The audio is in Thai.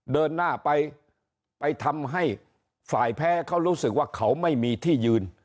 เดินหน้าไปไปทำให้ฝ่ายแพ้เขารู้สึกว่าเขาไม่มีที่ยืน